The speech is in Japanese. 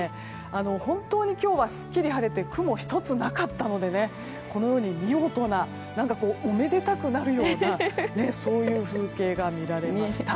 本当に今日はすっきり晴れて雲１つなかったので見事な、おめでたくなるようなそういう風景が見られました。